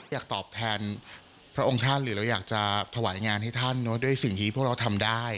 อยากตอบแทนพระองค์ท่านหรือเราอยากจะถวายงานให้ท่านด้วยสิ่งที่พวกเราทำได้